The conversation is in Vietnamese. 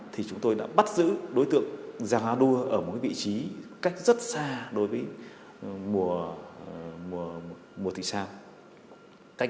thì chúng tôi đã cử đến ba tổng công tác